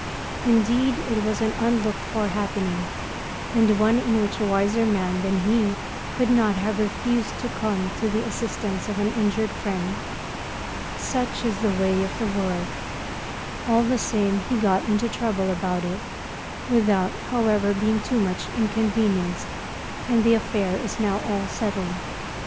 Indeed, it was an unlooked for happening, and one in which a wiser man than he could not have refused to come to the assistance of an injured friend. Such is the way of the world. All the same he got into trouble about it, without, however, being too much inconvenienced, and the affair is now all settled.